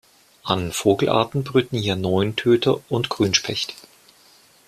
An Vogelarten brüten hier Neuntöter und Grünspecht.